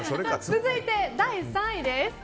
続いて第３位です。